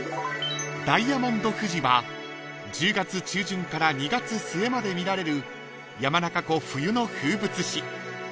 ［ダイヤモンド富士は１０月中旬から２月末まで見られる山中湖冬の風物詩］